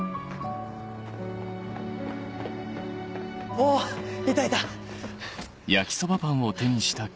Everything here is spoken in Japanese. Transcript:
おっいたいた。